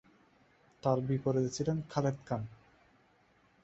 তার বিপরীতে ছিলেন খালেদ খান।